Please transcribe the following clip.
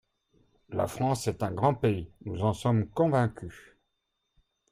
La France est un grand pays, nous en sommes convaincus.